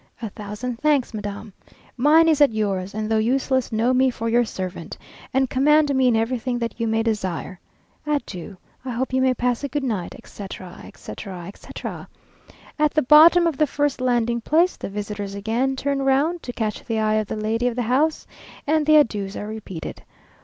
"A thousand thanks, madam. Mine is at yours, and though useless, know me for your servant, and command me in everything that you may desire." "Adieu, I hope you may pass a good night," etc., etc., etc. At the bottom of the first landing place the visitors again turn round to catch the eye of the lady of the house, and the adieus are repeated.